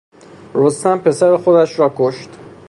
رستم پسر خودش را کشت.